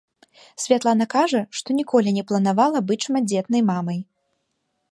Святлана кажа, што ніколі не планавала быць шматдзетнай мамай.